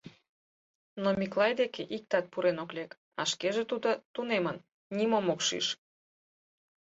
Но Миклай деке иктат пурен ок лек, а шкеже тудо тунемын, нимом ок шиж.